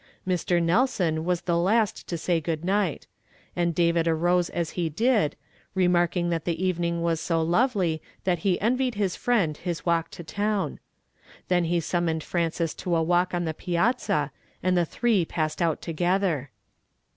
Mr. Nelson was the last to say g(jo(l iiight ; and David arose as he did. remarking that the eveniiip was so lovely that he envied his f iend his walk to town. Then he summoned Frances to a walk on the piazza, and the three i)iissed out together.